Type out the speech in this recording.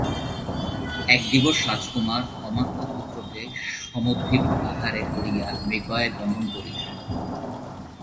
এক দিবস রাজকুমার অমাত্যপুত্রকে সমভিব্যাহারে করিয়া মৃগয়ায় গমন করিলেন।